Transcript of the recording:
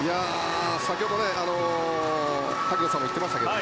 先ほど、萩野さんも言っていましたけど